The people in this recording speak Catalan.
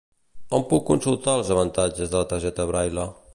On puc consultar els avantatges de la targeta Braile?